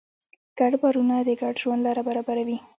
ګډ باورونه د ګډ ژوند لاره برابروي.